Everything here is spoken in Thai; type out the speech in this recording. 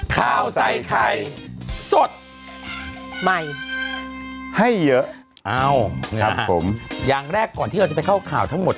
ข้าวใส่ไข่สดใหม่ให้เยอะเอ้านะครับผมอย่างแรกก่อนที่เราจะไปเข้าข่าวทั้งหมด